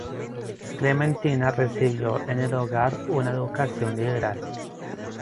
Clementina recibió en el hogar una educación liberal.